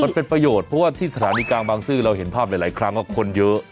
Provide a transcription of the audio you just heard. มันเป็นประโยชน์เพราะว่าที่สถานีกลางบางซื่อเราเห็นภาพหลายครั้งว่าคนเยอะ